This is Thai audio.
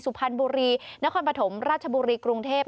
สุพรรณบุรีนครปฐมราชบุรีกรุงเทพ